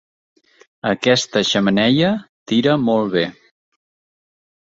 Aquesta xemeneia tira molt bé.